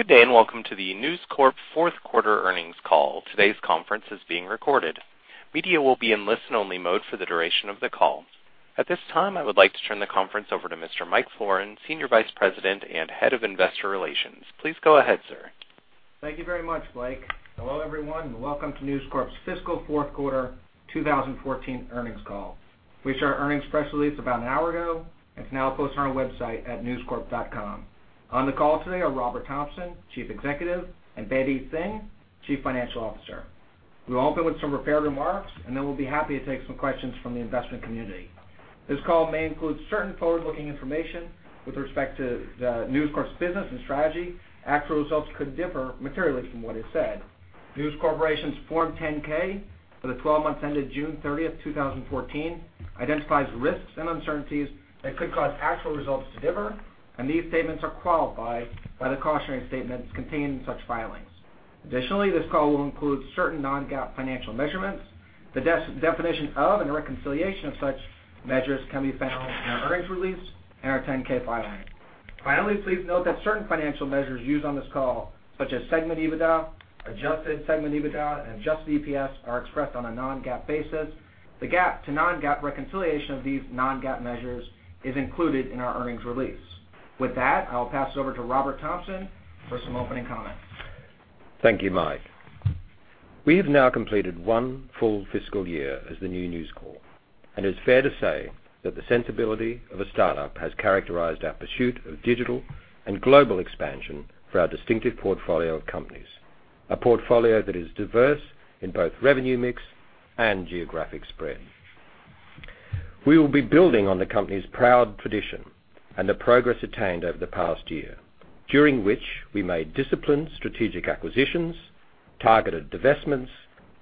Good day. Welcome to the News Corp fourth quarter earnings call. Today's conference is being recorded. Media will be in listen-only mode for the duration of the call. At this time, I would like to turn the conference over to Mr. Michael Florin, Senior Vice President and Head of Investor Relations. Please go ahead, sir. Thank you very much, Blake. Hello, everyone. Welcome to News Corp's fiscal fourth quarter 2014 earnings call. We shared our earnings press release about an hour ago. It's now posted on our website at newscorp.com. On the call today are Robert Thomson, Chief Executive, and Bedi Singh, Chief Financial Officer. We will open with some prepared remarks. Then we'll be happy to take some questions from the investment community. This call may include certain forward-looking information with respect to News Corp's business and strategy. Actual results could differ materially from what is said. News Corporation's Form 10-K for the 12 months ended June 30th, 2014, identifies risks and uncertainties that could cause actual results to differ. These statements are qualified by the cautionary statements contained in such filings. Additionally, this call will include certain non-GAAP financial measurements. The definition of and reconciliation of such measures can be found in our earnings release and our 10-K filing. Finally, please note that certain financial measures used on this call, such as segment EBITDA, adjusted segment EBITDA, and adjusted EPS, are expressed on a non-GAAP basis. The GAAP to non-GAAP reconciliation of these non-GAAP measures is included in our earnings release. With that, I will pass it over to Robert Thomson for some opening comments. Thank you, Mike. We have now completed one full fiscal year as the new News Corp. It's fair to say that the sensibility of a startup has characterized our pursuit of digital and global expansion for our distinctive portfolio of companies, a portfolio that is diverse in both revenue mix and geographic spread. We will be building on the company's proud tradition and the progress attained over the past year, during which we made disciplined strategic acquisitions, targeted divestments,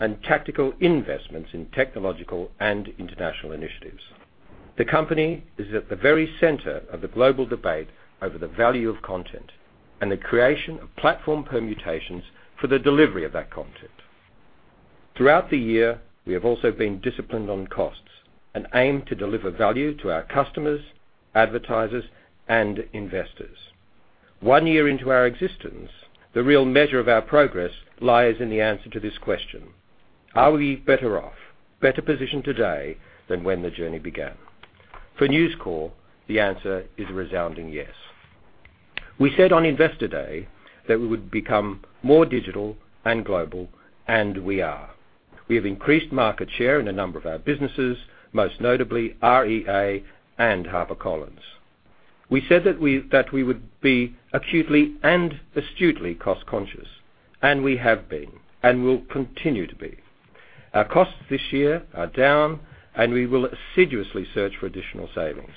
and tactical investments in technological and international initiatives. The company is at the very center of the global debate over the value of content and the creation of platform permutations for the delivery of that content. Throughout the year, we have also been disciplined on costs and aim to deliver value to our customers, advertisers, and investors. One year into our existence, the real measure of our progress lies in the answer to this question: Are we better off, better positioned today than when the journey began? For News Corp, the answer is a resounding yes. We said on Investor Day that we would become more digital and global, and we are. We have increased market share in a number of our businesses, most notably REA and HarperCollins. We said that we would be acutely and astutely cost-conscious, and we have been and will continue to be. Our costs this year are down, and we will assiduously search for additional savings.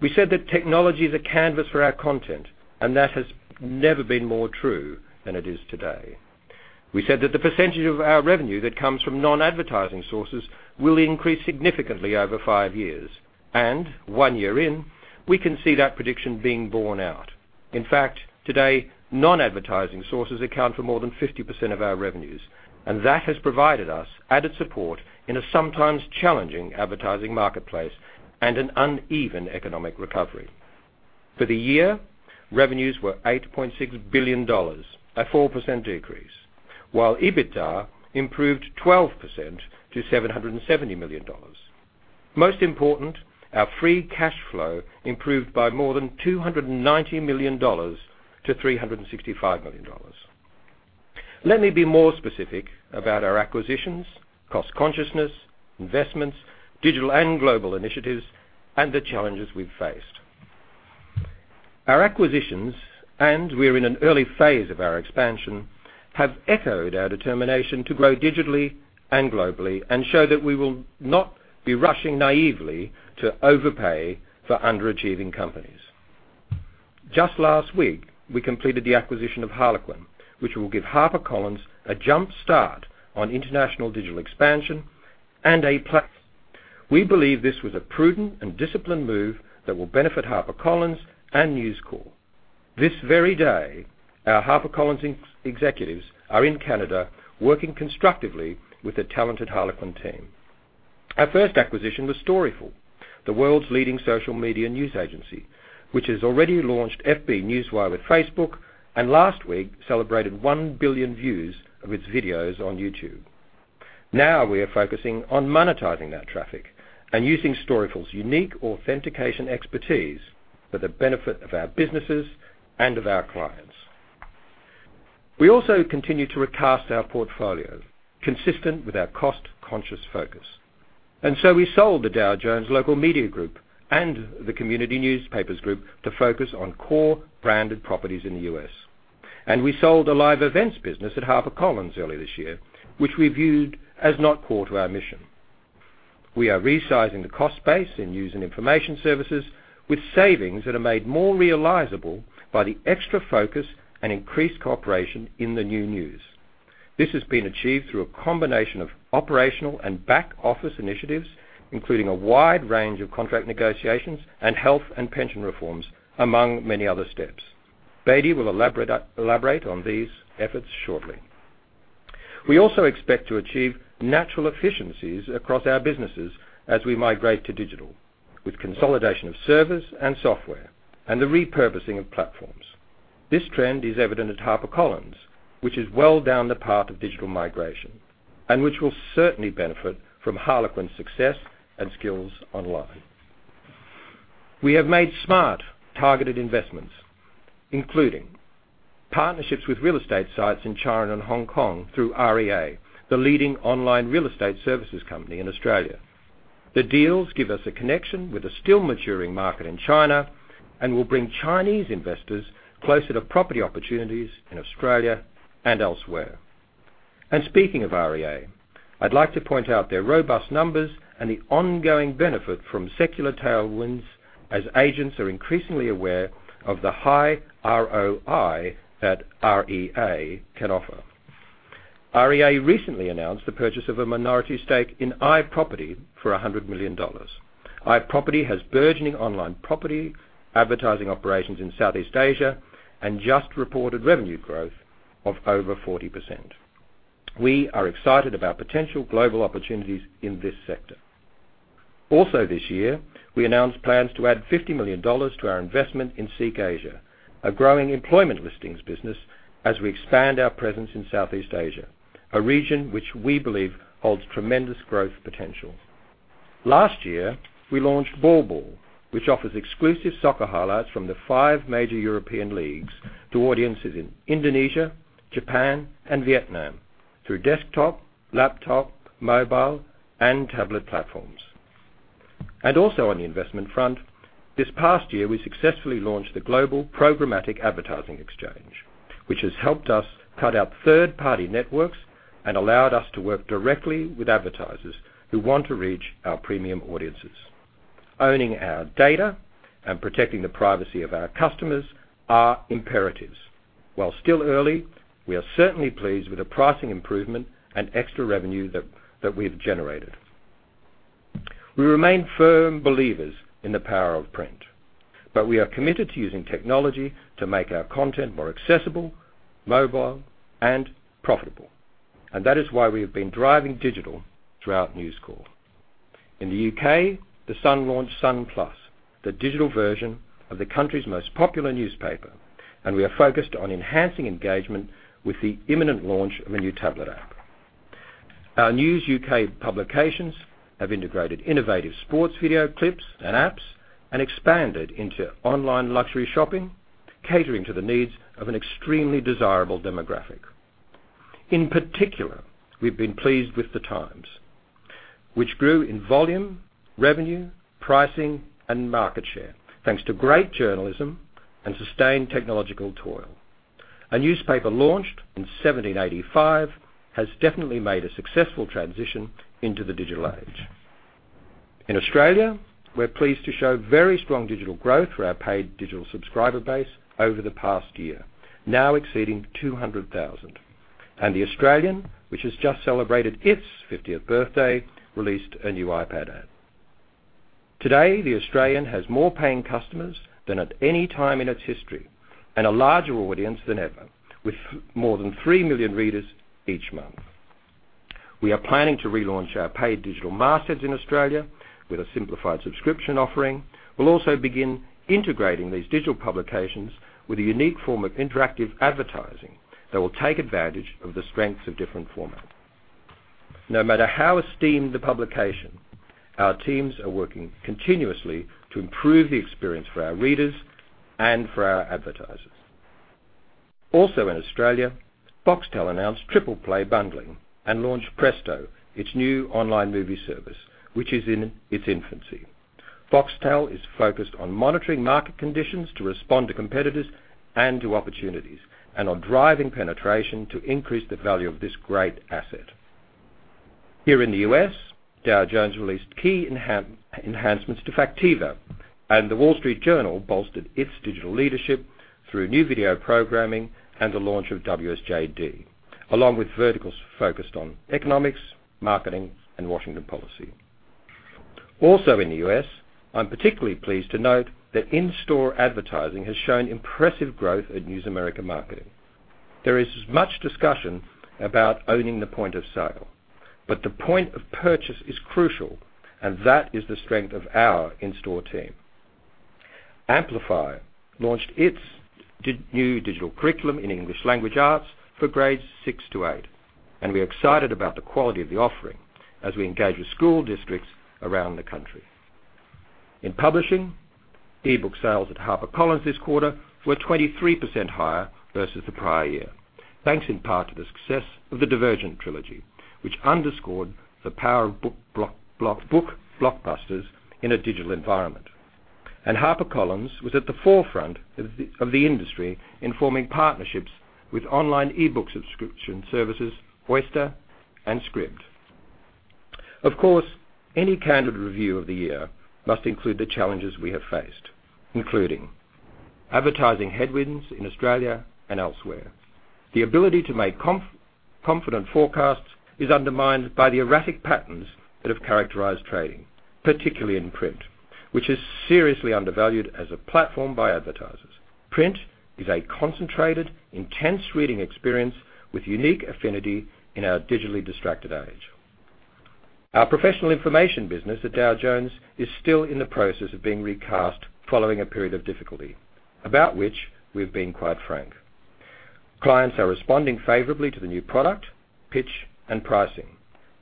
We said that technology is a canvas for our content, and that has never been more true than it is today. We said that the percentage of our revenue that comes from non-advertising sources will increase significantly over five years. One year in, we can see that prediction being borne out. In fact, today, non-advertising sources account for more than 50% of our revenues, and that has provided us added support in a sometimes challenging advertising marketplace and an uneven economic recovery. For the year, revenues were $8.6 billion, a 4% decrease, while EBITDA improved 12% to $770 million. Most important, our free cash flow improved by more than $290 million to $365 million. Let me be more specific about our acquisitions, cost consciousness, investments, digital and global initiatives, and the challenges we've faced. Our acquisitions, and we're in an early phase of our expansion, have echoed our determination to grow digitally and globally and show that we will not be rushing naively to overpay for underachieving companies. Just last week, we completed the acquisition of Harlequin, which will give HarperCollins a jump start on international digital expansion and a platform. We believe this was a prudent and disciplined move that will benefit HarperCollins and News Corp. This very day, our HarperCollins executives are in Canada working constructively with the talented Harlequin team. Our first acquisition was Storyful, the world's leading social media news agency, which has already launched FB Newswire with Facebook and last week celebrated one billion views of its videos on YouTube. We are focusing on monetizing that traffic and using Storyful's unique authentication expertise for the benefit of our businesses and of our clients. We also continue to recast our portfolio consistent with our cost-conscious focus. We sold the Dow Jones Local Media Group and the Community Newspaper Group to focus on core branded properties in the U.S. We sold the live events business at HarperCollins early this year, which we viewed as not core to our mission. We are resizing the cost base in News and Information Services with savings that are made more realizable by the extra focus and increased cooperation in the new news. This has been achieved through a combination of operational and back-office initiatives, including a wide range of contract negotiations and health and pension reforms, among many other steps. Bedi will elaborate on these efforts shortly. We also expect to achieve natural efficiencies across our businesses as we migrate to digital, with consolidation of servers and software, and the repurposing of platforms. This trend is evident at HarperCollins, which is well down the path of digital migration, and which will certainly benefit from Harlequin's success and skills online. We have made smart, targeted investments, including partnerships with real estate sites in China and Hong Kong through REA, the leading online real estate services company in Australia. The deals give us a connection with a still-maturing market in China and will bring Chinese investors closer to property opportunities in Australia and elsewhere. Speaking of REA, I'd like to point out their robust numbers and the ongoing benefit from secular tailwinds as agents are increasingly aware of the high ROI that REA can offer. REA recently announced the purchase of a minority stake in iProperty for $100 million. iProperty has burgeoning online property advertising operations in Southeast Asia and just reported revenue growth of over 40%. We are excited about potential global opportunities in this sector. Also this year, we announced plans to add $50 million to our investment in SEEK Asia, a growing employment listings business, as we expand our presence in Southeast Asia, a region which we believe holds tremendous growth potential. Last year, we launched beIN, which offers exclusive soccer highlights from the five major European leagues to audiences in Indonesia, Japan, and Vietnam through desktop, laptop, mobile, and tablet platforms. Also on the investment front, this past year, we successfully launched the global programmatic advertising exchange, which has helped us cut out third-party networks and allowed us to work directly with advertisers who want to reach our premium audiences. Owning our data and protecting the privacy of our customers are imperatives. While still early, we are certainly pleased with the pricing improvement and extra revenue that we've generated. We remain firm believers in the power of print, we are committed to using technology to make our content more accessible, mobile, and profitable. That is why we have been driving digital throughout News Corp. In the U.K., The Sun launched Sun+, the digital version of the country's most popular newspaper, and we are focused on enhancing engagement with the imminent launch of a new tablet app. Our News UK publications have integrated innovative sports video clips and apps and expanded into online luxury shopping, catering to the needs of an extremely desirable demographic. In particular, we've been pleased with The Times, which grew in volume, revenue, pricing, and market share, thanks to great journalism and sustained technological toil. A newspaper launched in 1785 has definitely made a successful transition into the digital age. In Australia, we're pleased to show very strong digital growth for our paid digital subscriber base over the past year, now exceeding 200,000. The Australian, which has just celebrated its 50th birthday, released a new iPad ad. Today, The Australian has more paying customers than at any time in its history and a larger audience than ever, with more than three million readers each month. We are planning to relaunch our paid digital masters in Australia with a simplified subscription offering. We'll also begin integrating these digital publications with a unique form of interactive advertising that will take advantage of the strengths of different formats. No matter how esteemed the publication, our teams are working continuously to improve the experience for our readers and for our advertisers. Also in Australia, Foxtel announced triple play bundling and launched Presto, its new online movie service, which is in its infancy. Foxtel is focused on monitoring market conditions to respond to competitors and to opportunities, and on driving penetration to increase the value of this great asset. Here in the U.S., Dow Jones released key enhancements to Factiva, and The Wall Street Journal bolstered its digital leadership through new video programming and the launch of WSJ.D, along with verticals focused on economics, marketing, and Washington policy. Also in the U.S., I'm particularly pleased to note that in-store advertising has shown impressive growth at News America Marketing. There is much discussion about owning the point of sale, but the point of purchase is crucial, and that is the strength of our in-store team. Amplify launched its new digital curriculum in English language arts for grades 6 to 8, and we are excited about the quality of the offering as we engage with school districts around the country. In publishing, e-book sales at HarperCollins this quarter were 23% higher versus the prior year, thanks in part to the success of the Divergent trilogy, which underscored the power of book blockbusters in a digital environment. HarperCollins was at the forefront of the industry in forming partnerships with online e-book subscription services Oyster and Scribd. Of course, any candid review of the year must include the challenges we have faced, including advertising headwinds in Australia and elsewhere. The ability to make confident forecasts is undermined by the erratic patterns that have characterized trading, particularly in print. Which is seriously undervalued as a platform by advertisers. Print is a concentrated, intense reading experience with unique affinity in our digitally distracted age. Our professional information business at Dow Jones is still in the process of being recast following a period of difficulty about which we've been quite frank. Clients are responding favorably to the new product, pitch, and pricing,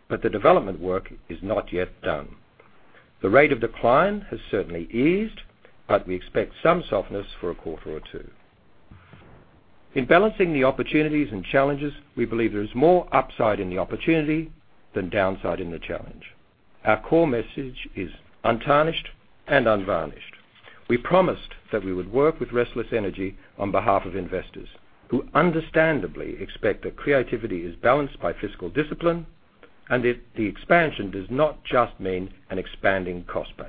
but the development work is not yet done. The rate of decline has certainly eased, but we expect some softness for a quarter or two. In balancing the opportunities and challenges, we believe there is more upside in the opportunity than downside in the challenge. Our core message is untarnished and unvarnished. We promised that we would work with restless energy on behalf of investors who understandably expect that creativity is balanced by fiscal discipline, and if the expansion does not just mean an expanding cost base.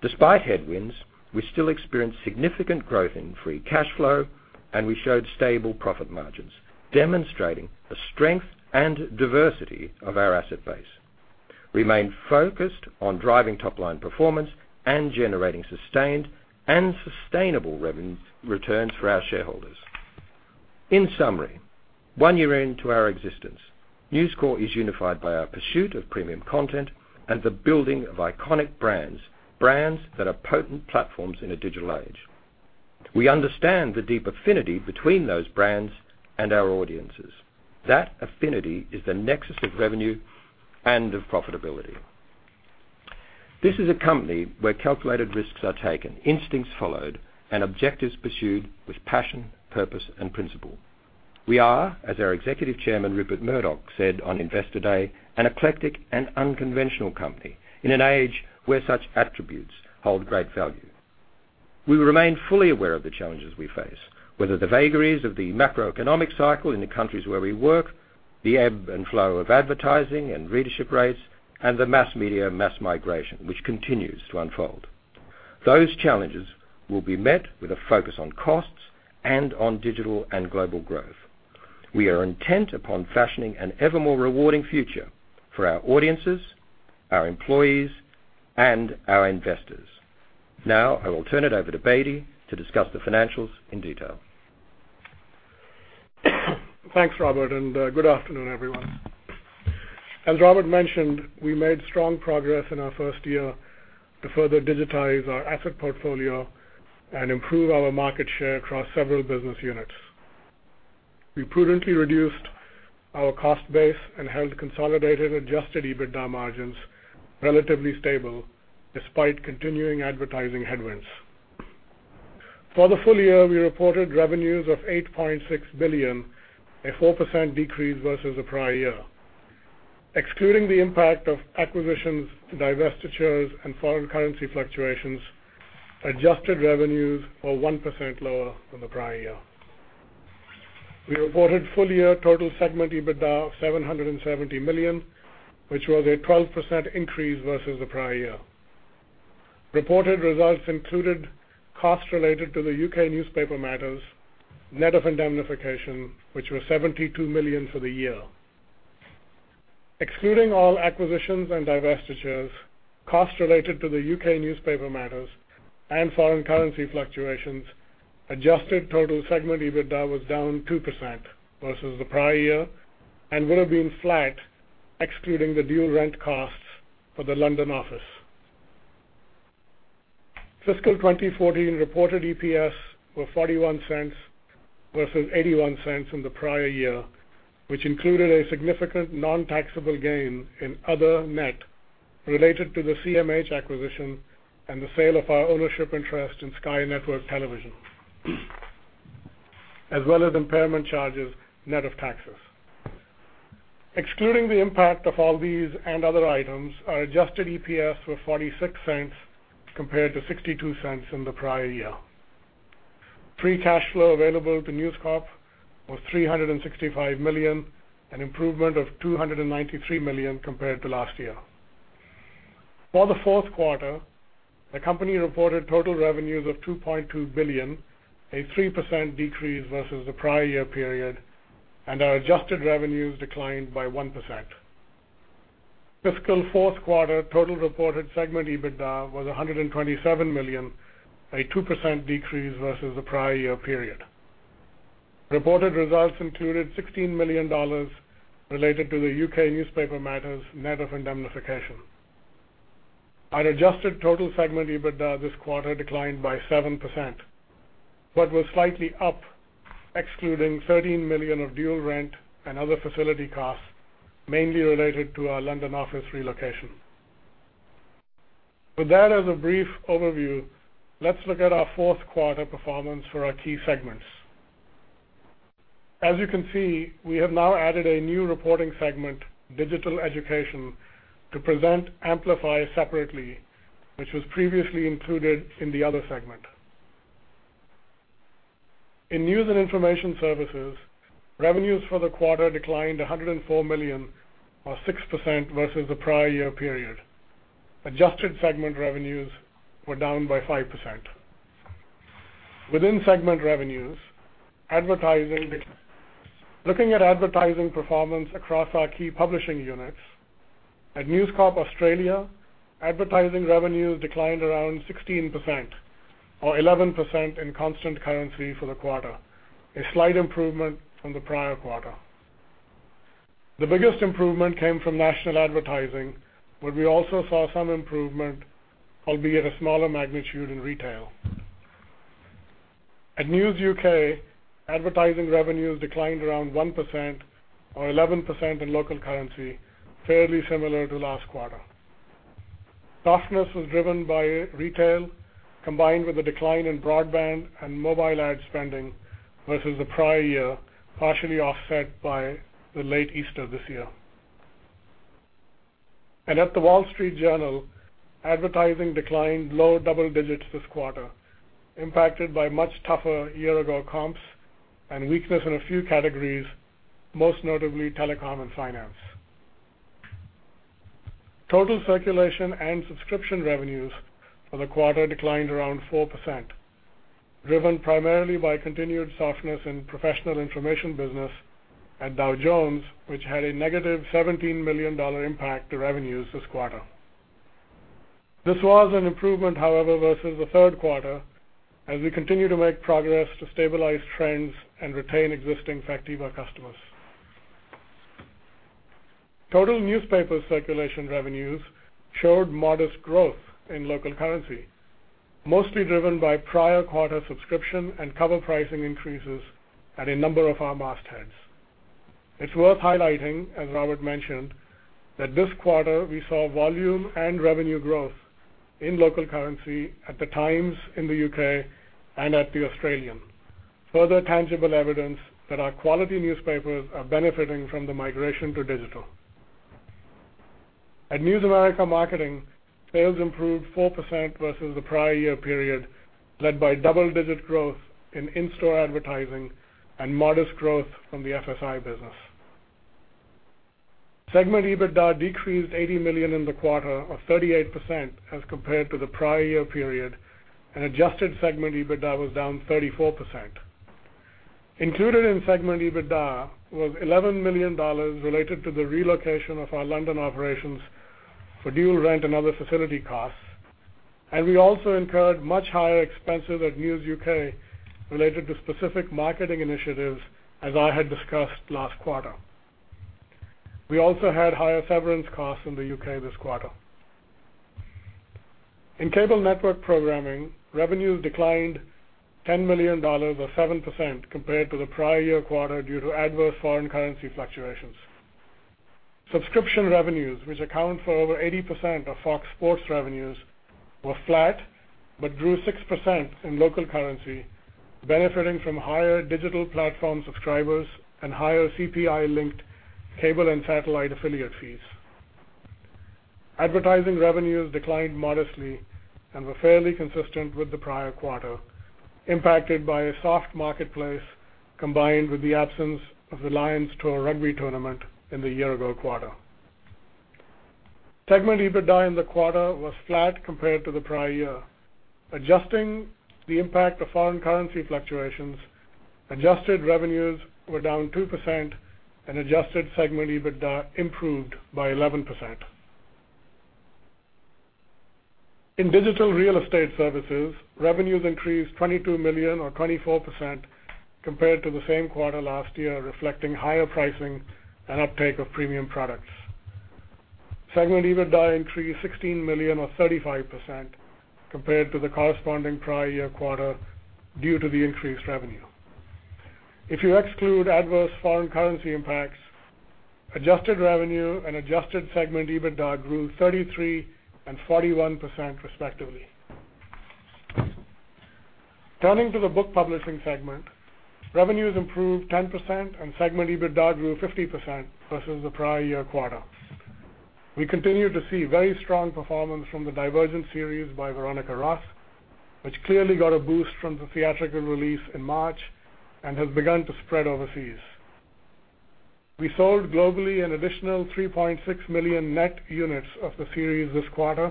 Despite headwinds, we still experienced significant growth in free cash flow, and we showed stable profit margins, demonstrating the strength and diversity of our asset base. Remain focused on driving top-line performance and generating sustained and sustainable returns for our shareholders. In summary, one year into our existence, News Corp is unified by our pursuit of premium content and the building of iconic brands that are potent platforms in a digital age. We understand the deep affinity between those brands and our audiences. That affinity is the nexus of revenue and of profitability. This is a company where calculated risks are taken, instincts followed, and objectives pursued with passion, purpose, and principle. We are, as our Executive Chairman, Rupert Murdoch, said on Investor Day, an eclectic and unconventional company in an age where such attributes hold great value. We remain fully aware of the challenges we face, whether the vagaries of the macroeconomic cycle in the countries where we work, the ebb and flow of advertising and readership rates, and the mass media and mass migration, which continues to unfold. Those challenges will be met with a focus on costs and on digital and global growth. We are intent upon fashioning an ever more rewarding future for our audiences, our employees, and our investors. I will turn it over to Bedi to discuss the financials in detail. Thanks, Robert, and good afternoon, everyone. As Robert mentioned, we made strong progress in our first year to further digitize our asset portfolio and improve our market share across several business units. We prudently reduced our cost base and held consolidated adjusted EBITDA margins relatively stable, despite continuing advertising headwinds. For the full year, we reported revenues of $8.6 billion, a 4% decrease versus the prior year. Excluding the impact of acquisitions, divestitures, and foreign currency fluctuations, adjusted revenues are 1% lower than the prior year. We reported full-year total segment EBITDA of $770 million, which was a 12% increase versus the prior year. Reported results included costs related to the U.K. newspaper matters, net of indemnification, which were $72 million for the year. Excluding all acquisitions and divestitures, costs related to the U.K. newspaper matters and foreign currency fluctuations, adjusted total segment EBITDA was down 2% versus the prior year and would have been flat excluding the dual rent costs for the London office. Fiscal 2014 reported EPS were $0.41 versus $0.81 in the prior year, which included a significant non-taxable gain in other net related to the CMH acquisition and the sale of our ownership interest in Sky Network Television. As well as impairment charges net of taxes. Excluding the impact of all these and other items, our adjusted EPS were $0.46 compared to $0.62 in the prior year. Free cash flow available to News Corp was $365 million, an improvement of $293 million compared to last year. For the fourth quarter, the company reported total revenues of $2.2 billion, a 3% decrease versus the prior year period, and our adjusted revenues declined by 1%. Fiscal fourth quarter total reported segment EBITDA was $127 million, a 2% decrease versus the prior year period. Reported results included $16 million related to the U.K. newspaper matters net of indemnification. Our adjusted total segment EBITDA this quarter declined by 7%, but was slightly up excluding $13 million of dual rent and other facility costs, mainly related to our London office relocation. With that as a brief overview, let's look at our fourth quarter performance for our key segments. As you can see, we have now added a new reporting segment, Digital Education, to present Amplify separately, which was previously included in the other segment. In news and information services, revenues for the quarter declined $104 million or 6% versus the prior year period. Adjusted segment revenues were down by 5%. Within segment revenues, advertising declined. Looking at advertising performance across our key publishing units, at News Corp Australia, advertising revenues declined around 16%, or 11% in constant currency for the quarter, a slight improvement from the prior quarter. The biggest improvement came from national advertising, where we also saw some improvement, albeit a smaller magnitude in retail. At News UK, advertising revenues declined around 1%, or 11% in local currency, fairly similar to last quarter. Softness was driven by retail, combined with a decline in broadband and mobile ad spending versus the prior year, partially offset by the late Easter this year. At The Wall Street Journal, advertising declined low double digits this quarter, impacted by much tougher year-ago comps and weakness in a few categories, most notably telecom and finance. Total circulation and subscription revenues for the quarter declined around 4%, driven primarily by continued softness in professional information business at Dow Jones, which had a negative $17 million impact to revenues this quarter. This was an improvement, however, versus the third quarter, as we continue to make progress to stabilize trends and retain existing Factiva customers. Total newspaper circulation revenues showed modest growth in local currency, mostly driven by prior quarter subscription and cover pricing increases at a number of our mastheads. It's worth highlighting, as Robert mentioned, that this quarter we saw volume and revenue growth in local currency at The Times in the U.K. and at The Australian. Further tangible evidence that our quality newspapers are benefiting from the migration to digital. At News America Marketing, sales improved 4% versus the prior year period, led by double-digit growth in in-store advertising and modest growth from the FSI business. Segment EBITDA decreased $80 million in the quarter of 38% as compared to the prior year period, adjusted segment EBITDA was down 34%. Included in segment EBITDA was $11 million related to the relocation of our London operations for dual rent and other facility costs. We also incurred much higher expenses at News UK related to specific marketing initiatives, as I had discussed last quarter. We also had higher severance costs in the U.K. this quarter. In Cable Network Programming, revenues declined $10 million or 7% compared to the prior year quarter due to adverse foreign currency fluctuations. Subscription revenues, which account for over 80% of Fox Sports revenues, were flat, but drew 6% in local currency, benefiting from higher digital platform subscribers and higher CPI-linked cable and satellite affiliate fees. Advertising revenues declined modestly and were fairly consistent with the prior quarter, impacted by a soft marketplace combined with the absence of the Lions Tour rugby tournament in the year-ago quarter. Segment EBITDA in the quarter was flat compared to the prior year. Adjusting the impact of foreign currency fluctuations, adjusted revenues were down 2% and adjusted segment EBITDA improved by 11%. In digital real estate services, revenues increased $22 million or 24% compared to the same quarter last year, reflecting higher pricing and uptake of premium products. Segment EBITDA increased $16 million or 35% compared to the corresponding prior year quarter due to the increased revenue. If you exclude adverse foreign currency impacts, adjusted revenue and adjusted segment EBITDA grew 33% and 41%, respectively. Turning to the book publishing segment, revenues improved 10% and segment EBITDA grew 50% versus the prior year quarter. We continue to see very strong performance from the Divergent Series by Veronica Roth, which clearly got a boost from the theatrical release in March and has begun to spread overseas. We sold globally an additional 3.6 million net units of the series this quarter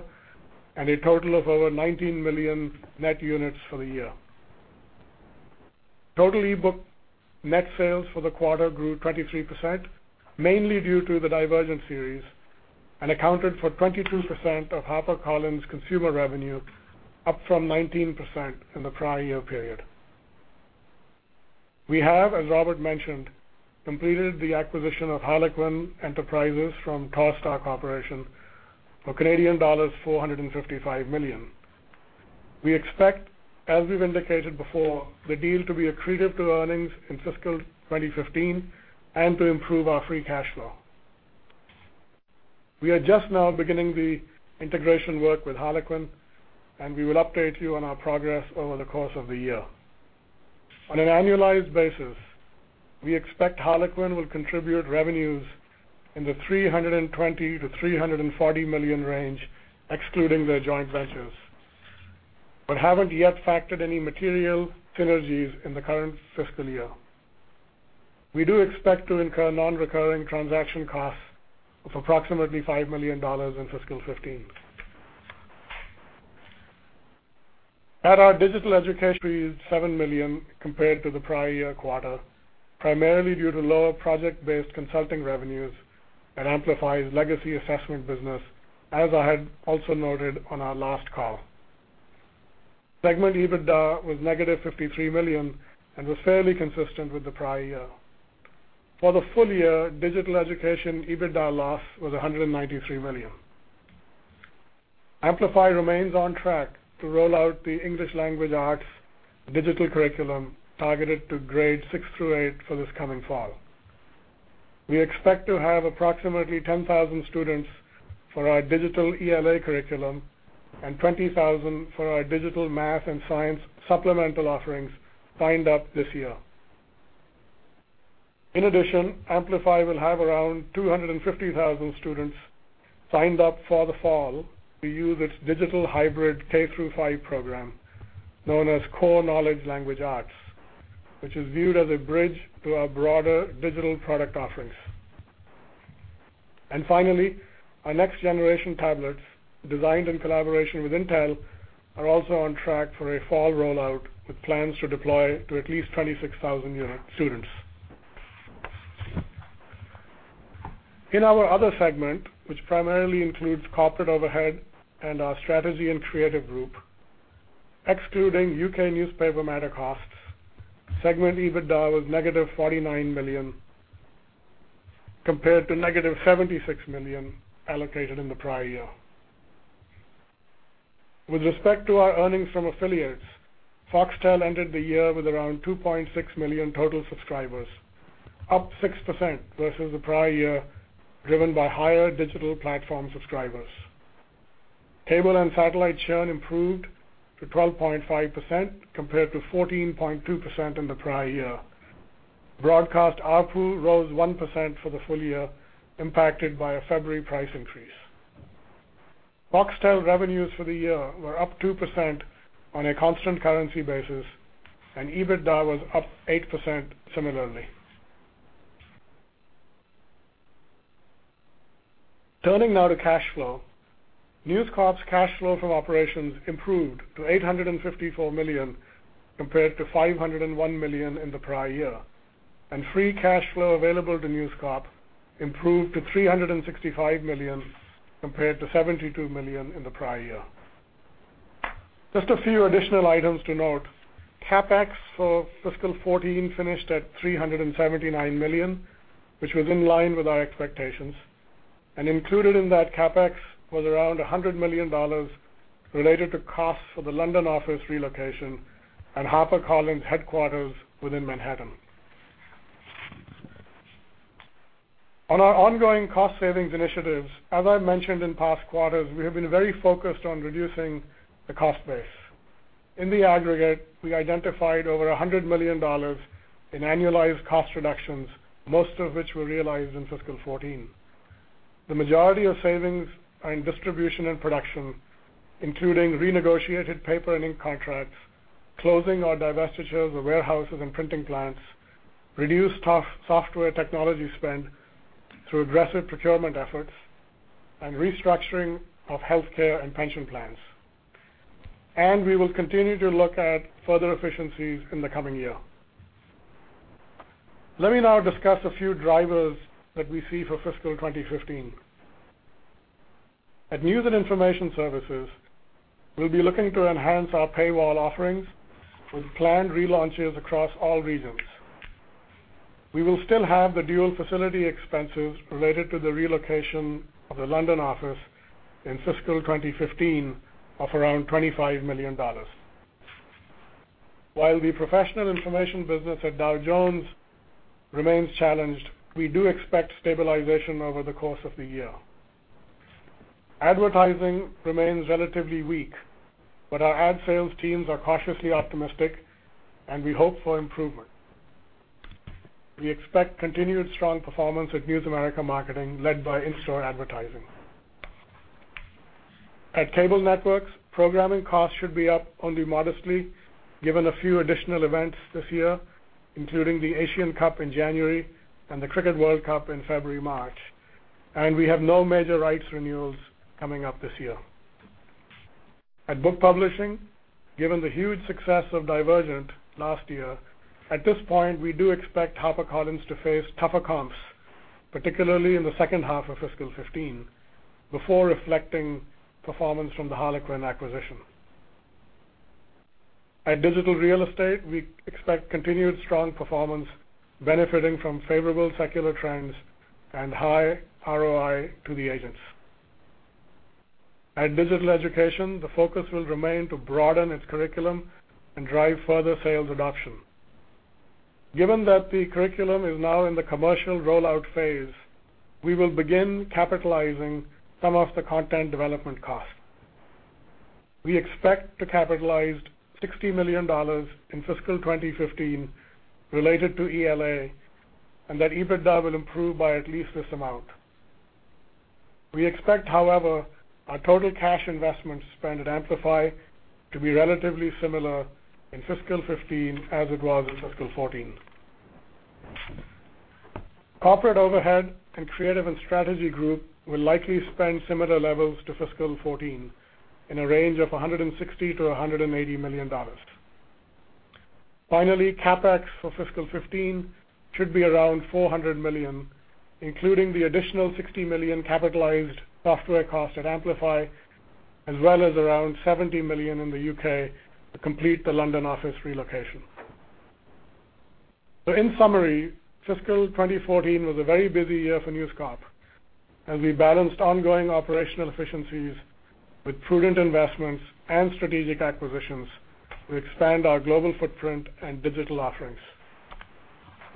and a total of over 19 million net units for the year. Total e-book net sales for the quarter grew 23%, mainly due to the Divergent Series, and accounted for 22% of HarperCollins' consumer revenue, up from 19% in the prior year period. We have, as Robert mentioned, completed the acquisition of Harlequin Enterprises from Torstar Corporation for Canadian dollars 455 million. We expect, as we've indicated before, the deal to be accretive to earnings in fiscal 2015 and to improve our free cash flow. We are just now beginning the integration work with Harlequin, and we will update you on our progress over the course of the year. On an annualized basis, we expect Harlequin will contribute revenues in the $320 million-$340 million range, excluding their joint ventures, but haven't yet factored any material synergies in the current fiscal year. We do expect to incur non-recurring transaction costs of approximately $5 million in fiscal 2015. At our Digital Education, $7 million compared to the prior year quarter, primarily due to lower project-based consulting revenues and Amplify's legacy assessment business, as I had also noted on our last call. Segment EBITDA was negative $53 million and was fairly consistent with the prior year. For the full year, Digital Education EBITDA loss was $193 million. Amplify remains on track to roll out the English Language Arts digital curriculum targeted to grades 6 through 8 for this coming fall. We expect to have approximately 10,000 students for our digital ELA curriculum and 20,000 for our digital math and science supplemental offerings signed up this year. In addition, Amplify will have around 250,000 students signed up for the fall to use its digital hybrid K through 5 program, known as Core Knowledge Language Arts, which is viewed as a bridge to our broader digital product offerings. Finally, our next-generation tablets, designed in collaboration with Intel, are also on track for a fall rollout, with plans to deploy to at least 26,000 students. In our other segment, which primarily includes corporate overhead and our strategy and creative group, excluding U.K. newspaper matter costs, segment EBITDA was negative $49 million, compared to negative $76 million allocated in the prior year. With respect to our earnings from affiliates, Foxtel entered the year with around 2.6 million total subscribers, up 6% versus the prior year, driven by higher digital platform subscribers. Cable and satellite churn improved to 12.5% compared to 14.2% in the prior year. Broadcast ARPU rose 1% for the full year, impacted by a February price increase. Foxtel revenues for the year were up 2% on a constant currency basis, and EBITDA was up 8% similarly. Turning now to cash flow. News Corp's cash flow from operations improved to $854 million, compared to $501 million in the prior year, and free cash flow available to News Corp improved to $365 million, compared to $72 million in the prior year. Just a few additional items to note. CapEx for fiscal 2014 finished at $379 million, which was in line with our expectations. Included in that CapEx was around $100 million related to costs for the London office relocation and HarperCollins headquarters within Manhattan. On our ongoing cost savings initiatives, as I mentioned in past quarters, we have been very focused on reducing the cost base. In the aggregate, we identified over $100 million in annualized cost reductions, most of which were realized in fiscal 2014. The majority of savings are in distribution and production, including renegotiated paper and ink contracts, closing our divestitures of warehouses and printing plants, reduced software technology spend through aggressive procurement efforts, and restructuring of healthcare and pension plans. We will continue to look at further efficiencies in the coming year. Let me now discuss a few drivers that we see for fiscal 2015. At News and Information Services, we will be looking to enhance our paywall offerings with planned relaunches across all regions. We will still have the dual facility expenses related to the relocation of the London office in fiscal 2015 of around $25 million. While the professional information business at Dow Jones remains challenged, we do expect stabilization over the course of the year. Advertising remains relatively weak, but our ad sales teams are cautiously optimistic, and we hope for improvement. We expect continued strong performance at News America Marketing, led by in-store advertising. At Cable Networks, programming costs should be up only modestly given a few additional events this year, including the Asian Cup in January and the Cricket World Cup in February, March. We have no major rights renewals coming up this year. At Book Publishing, given the huge success of Divergent last year, at this point, we do expect HarperCollins to face tougher comps, particularly in the second half of fiscal 2015, before reflecting performance from the Harlequin acquisition. At Digital Real Estate, we expect continued strong performance, benefiting from favorable secular trends and high ROI to the agents. At Digital Education, the focus will remain to broaden its curriculum and drive further sales adoption. Given that the curriculum is now in the commercial rollout phase, we will begin capitalizing some of the content development costs. We expect to capitalize $60 million in fiscal 2015 related to ELA and that EBITDA will improve by at least this amount. We expect, however, our total cash investment spend at Amplify to be relatively similar in fiscal 2015 as it was in fiscal 2014. Corporate overhead and creative and strategy group will likely spend similar levels to fiscal 2014 in a range of $160 million-$180 million. Finally, CapEx for fiscal 2015 should be around $400 million, including the additional $60 million capitalized software cost at Amplify, as well as around $70 million in the U.K. to complete the London office relocation. In summary, fiscal 2014 was a very busy year for News Corp, as we balanced ongoing operational efficiencies with prudent investments and strategic acquisitions to expand our global footprint and digital offerings.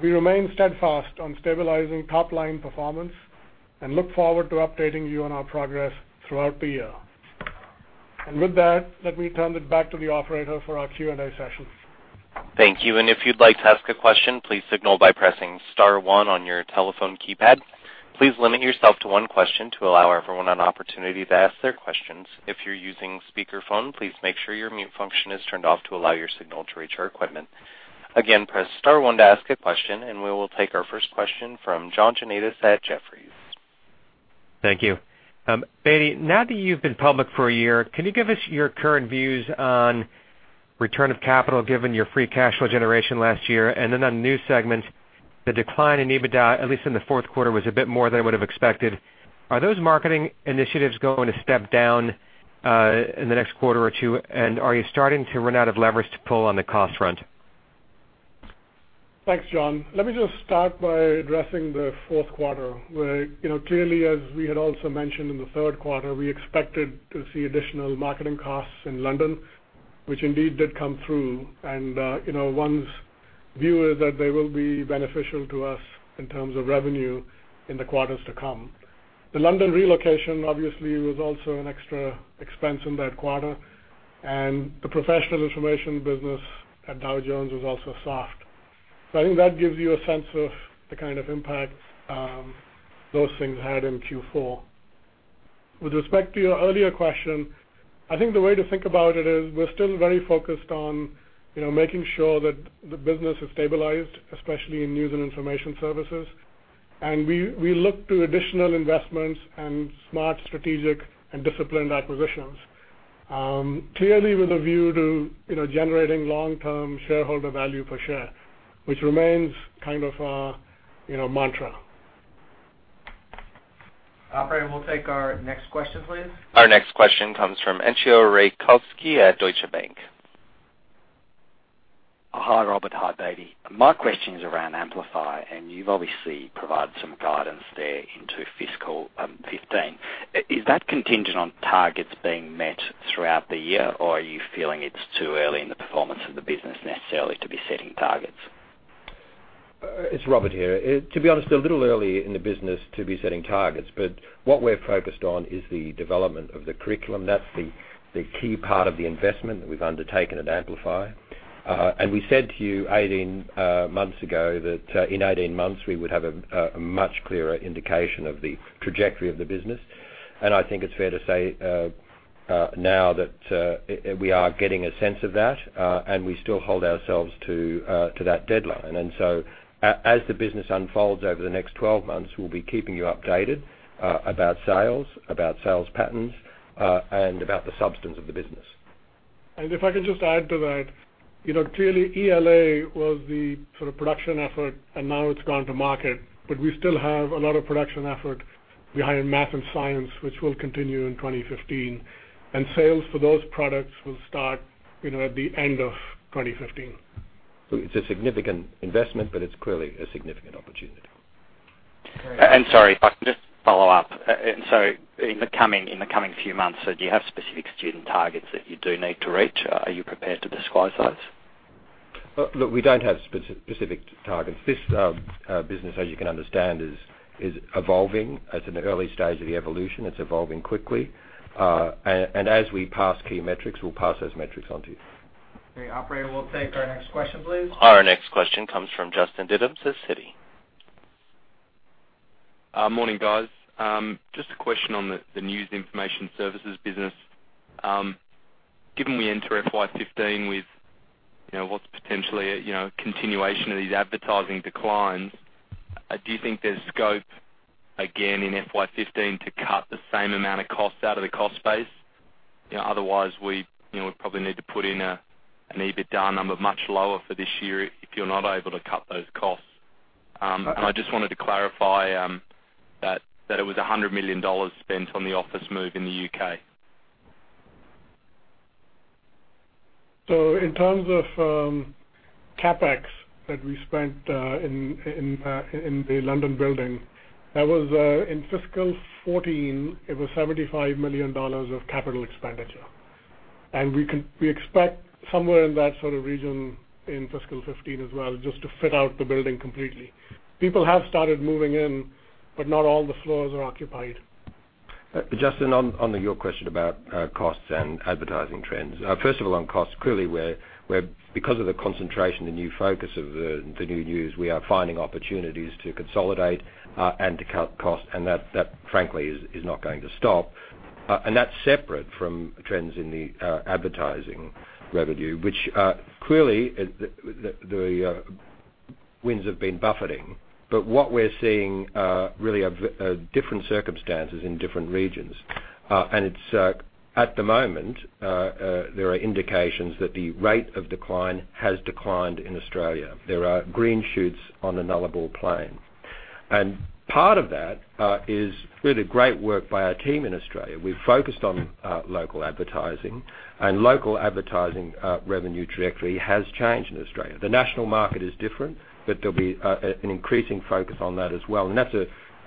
We remain steadfast on stabilizing top-line performance and look forward to updating you on our progress throughout the year. With that, let me turn it back to the operator for our Q&A session. Thank you. If you'd like to ask a question, please signal by pressing *1 on your telephone keypad. Please limit yourself to one question to allow everyone an opportunity to ask their questions. If you're using speakerphone, please make sure your mute function is turned off to allow your signal to reach our equipment. Again, press *1 to ask a question, we will take our first question from John Janedis at Jefferies. Thank you. Bedi, now that you've been public for a year, can you give us your current views on return of capital given your free cash flow generation last year? Then on new segments, the decline in EBITDA, at least in the fourth quarter, was a bit more than I would have expected. Are those marketing initiatives going to step down in the next quarter or two, are you starting to run out of leverage to pull on the cost front? Thanks, John. Let me just start by addressing the fourth quarter, where clearly, as we had also mentioned in the third quarter, we expected to see additional marketing costs in London, which indeed did come through. One's view is that they will be beneficial to us in terms of revenue in the quarters to come. The London relocation obviously was also an extra expense in that quarter, the professional information business at Dow Jones was also soft. I think that gives you a sense of the kind of impact those things had in Q4. With respect to your earlier question, I think the way to think about it is we're still very focused on making sure that the business is stabilized, especially in news and information services. We look to additional investments and smart strategic and disciplined acquisitions. Clearly with a view to generating long-term shareholder value per share, which remains kind of our mantra. Operator, we'll take our next question, please. Our next question comes from Entcho Raykovski at Deutsche Bank. Hi, Robert. Hi, Bedi. My question is around Amplify, and you've obviously provided some guidance there into fiscal 2015. Is that contingent on targets being met throughout the year, or are you feeling it's too early in the performance of the business necessarily to be setting targets? It's Robert here. To be honest, a little early in the business to be setting targets. What we're focused on is the development of the curriculum. That's the key part of the investment that we've undertaken at Amplify. We said to you 18 months ago that in 18 months we would have a much clearer indication of the trajectory of the business. I think it's fair to say now that we are getting a sense of that, and we still hold ourselves to that deadline. As the business unfolds over the next 12 months, we'll be keeping you updated about sales, about sales patterns, and about the substance of the business. If I can just add to that, clearly ELA was the sort of production effort, and now it's gone to market. We still have a lot of production effort behind math and science, which will continue in 2015. Sales for those products will start at the end of 2015. It's a significant investment, but it's clearly a significant opportunity. Sorry, if I can just follow up. In the coming few months, do you have specific student targets that you do need to reach? Are you prepared to disclose those? Look, we don't have specific targets. This business, as you can understand, is evolving. It's in the early stage of the evolution. It's evolving quickly. As we pass key metrics, we'll pass those metrics on to you. Okay, operator, we'll take our next question, please. Our next question comes from Justin Didiun, Citi. Morning, guys. Just a question on the news information services business. Given we enter FY 2015 with what's potentially a continuation of these advertising declines, do you think there's scope again in FY 2015 to cut the same amount of costs out of the cost base? Otherwise, we probably need to put in an EBITDA number much lower for this year if you're not able to cut those costs. I just wanted to clarify that it was $100 million spent on the office move in the U.K. In terms of CapEx that we spent in the London building, that was in fiscal 2014. It was $75 million of capital expenditure. We expect somewhere in that sort of region in fiscal 2015 as well, just to fit out the building completely. People have started moving in, but not all the floors are occupied. Justin, on your question about costs and advertising trends. First of all, on costs, clearly because of the concentration, the new focus of the new news, we are finding opportunities to consolidate and to cut costs. That, frankly, is not going to stop. That's separate from trends in the advertising revenue, which clearly, the winds have been buffeting. What we're seeing really are different circumstances in different regions. At the moment, there are indications that the rate of decline has declined in Australia. There are green shoots on the Nullarbor Plain. Part of that is really great work by our team in Australia. We've focused on local advertising, and local advertising revenue trajectory has changed in Australia. The national market is different, but there'll be an increasing focus on that as well. That's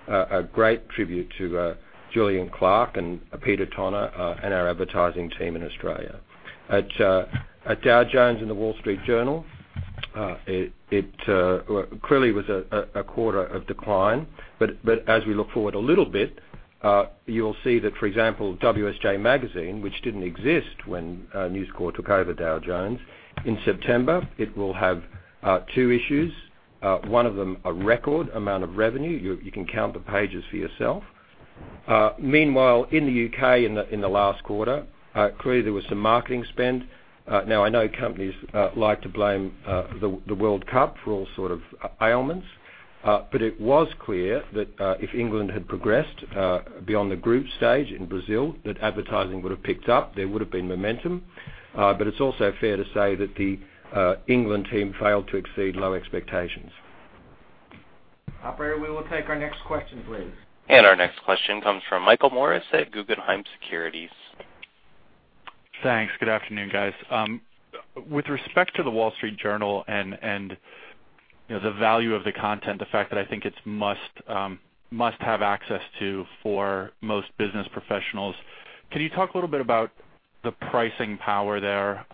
a great tribute to Julian Clarke and Peter Tonagh, and our advertising team in Australia. At Dow Jones and The Wall Street Journal, it clearly was a quarter of decline. As we look forward a little bit, you'll see that, for example, WSJ. Magazine, which didn't exist when News Corp took over Dow Jones, in September, it will have two issues, one of them a record amount of revenue. You can count the pages for yourself. Meanwhile, in the U.K., in the last quarter, clearly there was some marketing spend. Now, I know companies like to blame the World Cup for all sorts of ailments. It was clear that if England had progressed beyond the group stage in Brazil, that advertising would've picked up. There would've been momentum. It's also fair to say that the England team failed to exceed low expectations. Operator, we will take our next question, please. Our next question comes from Michael Morris at Guggenheim Securities. Thanks. Good afternoon, guys. With respect to The Wall Street Journal and the value of the content, the fact that I think it's must-have access to for most business professionals, can you talk a little bit about the pricing power there,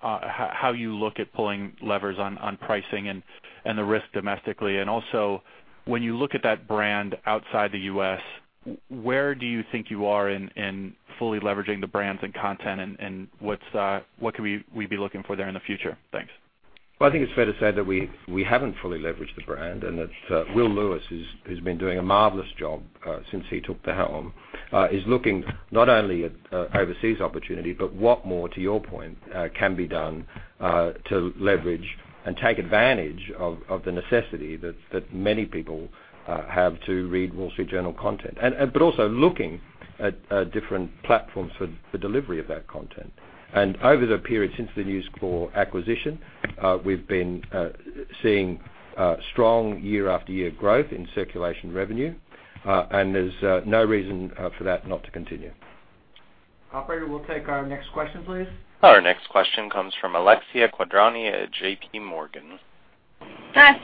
how you look at pulling levers on pricing and the risk domestically? Also, when you look at that brand outside the U.S., where do you think you are in fully leveraging the brands and content, and what can we be looking for there in the future? Thanks. Well, I think it's fair to say that we haven't fully leveraged the brand, and that Will Lewis, who's been doing a marvelous job since he took the helm, is looking not only at overseas opportunity, but what more, to your point, can be done to leverage and take advantage of the necessity that many people have to read Wall Street Journal content. Also looking at different platforms for delivery of that content. Over the period since the News Corp acquisition, we've been seeing strong year-after-year growth in circulation revenue. There's no reason for that not to continue. Operator, we'll take our next question, please. Our next question comes from Alexia Quadrani at J.P. Morgan.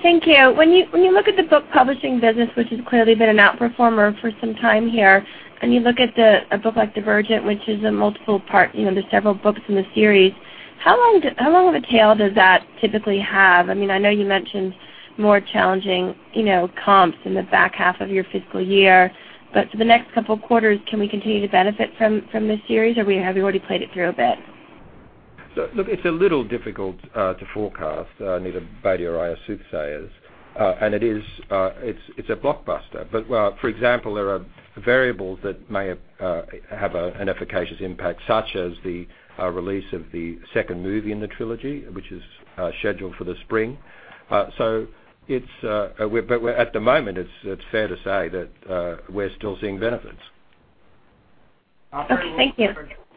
Thank you. When you look at the book publishing business, which has clearly been an outperformer for some time here, and you look at a book like Divergent, which is a multiple-part, there's several books in the series, how long of a tail does that typically have? I know you mentioned more challenging comps in the back half of your fiscal year. For the next couple of quarters, can we continue to benefit from this series, or have you already played it through a bit? Look, it's a little difficult to forecast. I'm neither a bard nor a soothsayer. It's a blockbuster. For example, there are variables that may have an efficacious impact, such as the release of the second movie in the trilogy, which is scheduled for the spring. At the moment, it's fair to say that we're still seeing benefits. Okay, thank you.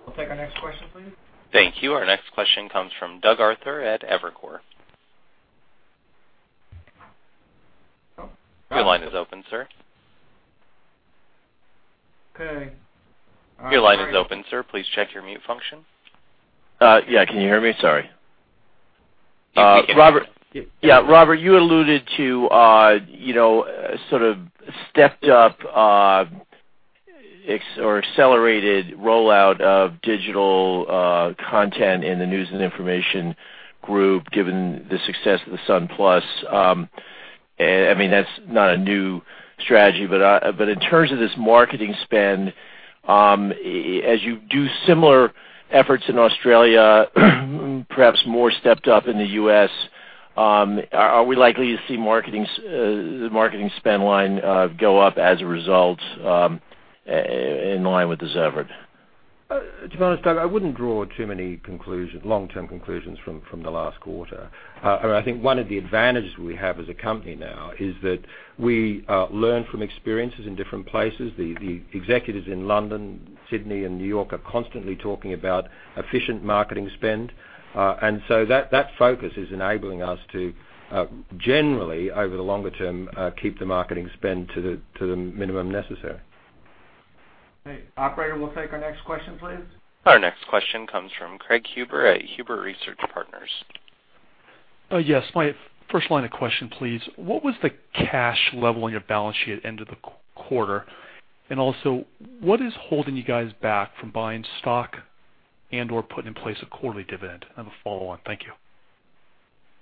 We'll take our next question, please. Thank you. Our next question comes from Doug Arthur at Evercore. Your line is open, sir. Okay. Your line is open, sir. Please check your mute function. Yeah. Can you hear me? Sorry. Yes, we can. Yeah, Robert, you alluded to sort of stepped up or accelerated rollout of digital content in the news and information group, given the success of The Sun+. I mean, that's not a new strategy, but in terms of this marketing spend, as you do similar efforts in Australia, perhaps more stepped up in the U.S., are we likely to see the marketing spend line go up as a result in line with The Sun? To be honest, Doug, I wouldn't draw too many long-term conclusions from the last quarter. I think one of the advantages we have as a company now is that we learn from experiences in different places. The executives in London, Sydney, and New York are constantly talking about efficient marketing spend. That focus is enabling us to generally, over the longer term, keep the marketing spend to the minimum necessary. Okay. Operator, we'll take our next question, please. Our next question comes from Craig Huber at Huber Research Partners. Yes. My first line of question, please. What was the cash level on your balance sheet at end of the quarter? Also, what is holding you guys back from buying stock and/or putting in place a quarterly dividend? I have a follow-on. Thank you.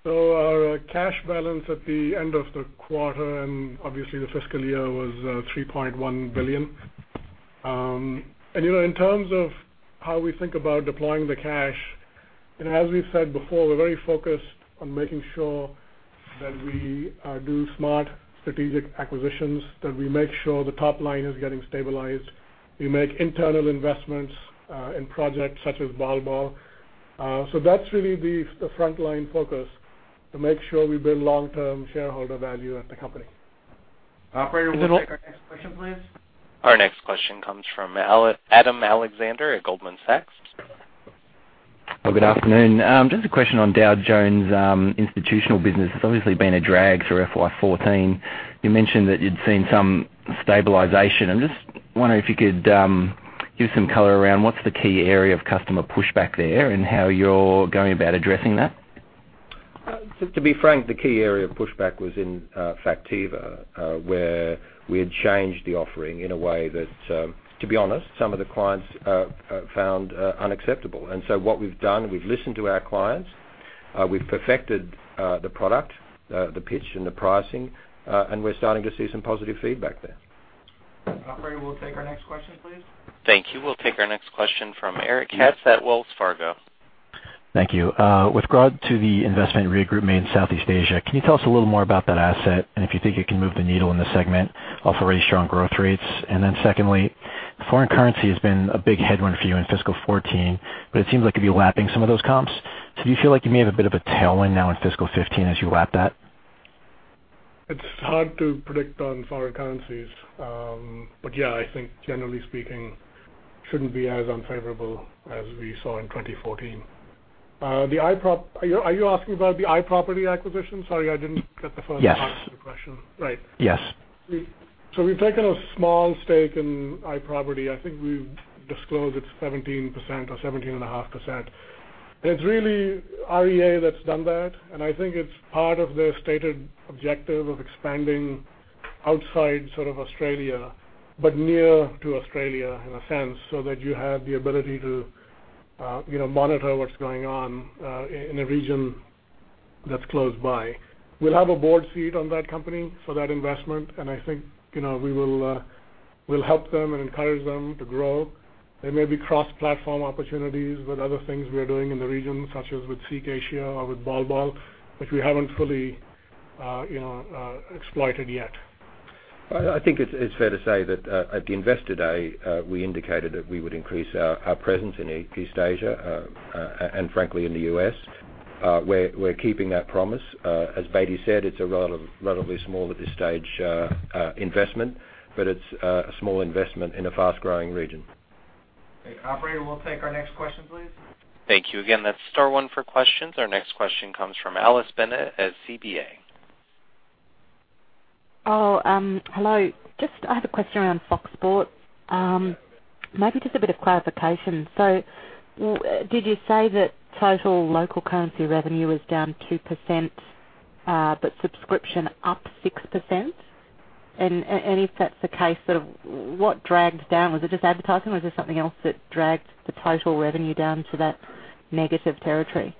Our cash balance at the end of the quarter, and obviously the fiscal year, was $3.1 billion. In terms of how we think about deploying the cash As we've said before, we're very focused on making sure that we do smart strategic acquisitions, that we make sure the top line is getting stabilized. We make internal investments in projects such as Ball Ball. That's really the frontline focus, to make sure we build long-term shareholder value at the company. Operator, we'll take our next question, please. Our next question comes from Adam Alexander at Goldman Sachs. Good afternoon. Just a question on Dow Jones institutional business. It's obviously been a drag through FY 2014. You mentioned that you'd seen some stabilization. I'm just wondering if you could give some color around what's the key area of customer pushback there and how you're going about addressing that? To be frank, the key area of pushback was in Factiva, where we had changed the offering in a way that, to be honest, some of the clients found unacceptable. What we've done, we've listened to our clients, we've perfected the product, the pitch, and the pricing, and we're starting to see some positive feedback there. Operator, we'll take our next question, please. Thank you. We'll take our next question from Richard Kass at Wells Fargo. Thank you. With regard to the investment REA Group made in Southeast Asia, can you tell us a little more about that asset and if you think it can move the needle in the segment of already strong growth rates? Secondly, foreign currency has been a big headwind for you in fiscal 2014. It seems like you'll be lapping some of those comps. Do you feel like you may have a bit of a tailwind now in fiscal 2015 as you lap that? It's hard to predict on foreign currencies. Yeah, I think generally speaking, shouldn't be as unfavorable as we saw in 2014. Are you asking about the iProperty acquisition? Sorry, I didn't get the first. Yes part of the question. Right. Yes. We've taken a small stake in iProperty. I think we've disclosed it's 17% or 17.5%. It's really REA that's done that, and I think it's part of their stated objective of expanding outside Australia, but near to Australia in a sense, so that you have the ability to monitor what's going on in a region that's close by. We'll have a board seat on that company for that investment, and I think we'll help them and encourage them to grow. There may be cross-platform opportunities with other things we are doing in the region, such as with SEEK Asia or with Ball Ball, which we haven't fully exploited yet. I think it's fair to say that at the investor day, we indicated that we would increase our presence in East Asia, and frankly, in the U.S. We're keeping that promise. As Bedi said, it's a relatively small at this stage investment, but it's a small investment in a fast-growing region. Okay, operator, we'll take our next question, please. Thank you again. That's star one for questions. Our next question comes from Alice Bennett at CBA. Hello. I have a question around Fox Sports. Maybe just a bit of clarification. Did you say that total local currency revenue was down 2%, but subscription up 6%? If that's the case, what dragged down? Was it just advertising or was there something else that dragged the total revenue down to that negative territory?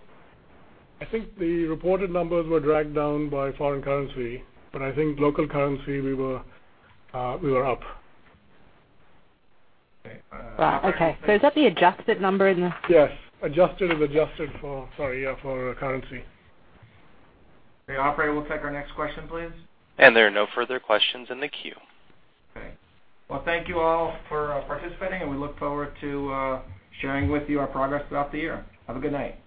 I think the reported numbers were dragged down by foreign currency, but I think local currency, we were up. Wow, okay. Is that the adjusted number in the? Yes. Adjusted is adjusted for, sorry, yeah, for currency. Okay, operator, we'll take our next question, please. There are no further questions in the queue. Okay. Well, thank you all for participating, and we look forward to sharing with you our progress throughout the year. Have a good night.